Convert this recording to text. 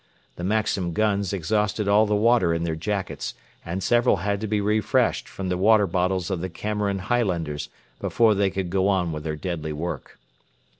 The Maxim guns exhausted all the water in their jackets, and several had to be refreshed from the water bottles of the Cameron Highlanders before they could go on with their deadly work.